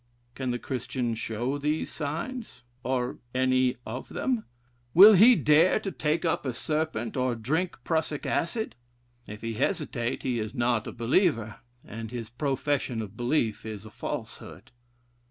Can the Christian show these signs, or any of them? Will he dare to take up a serpent, or drink prussic acid? If he hesitate, he is not a believer, and his profession of belief is a falsehood.